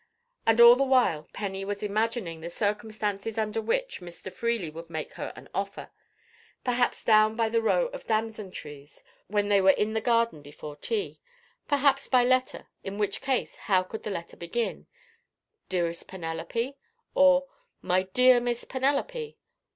And all the while Penny was imagining the circumstances under which Mr. Freely would make her an offer: perhaps down by the row of damson trees, when they were in the garden before tea; perhaps by letter—in which case, how would the letter begin? "Dearest Penelope?" or "My dear Miss Penelope?"